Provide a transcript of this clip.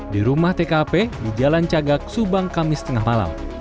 di rumah tkp di jalan cagak subang kamis tengah malam